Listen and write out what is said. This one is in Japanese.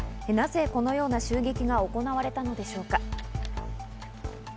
なぜこのような襲撃が行われたのでしょうか？